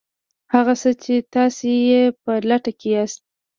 هغه څه چې تاسې یې په لټه کې یاست